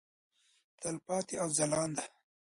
تلپاتې او ځلانده.